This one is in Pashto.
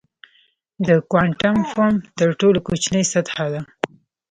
د کوانټم فوم تر ټولو کوچنۍ سطحه ده.